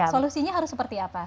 solusinya harus seperti apa